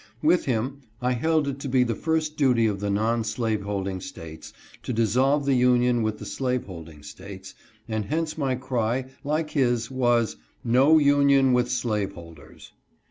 With him, I held it to be the first duty of the non slaveholding States to dissolve the union with the slaveholding States, and hence my cry, like his, was " No union with slaveholders."